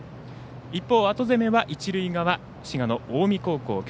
一方、後攻めは一塁側滋賀、近江高校。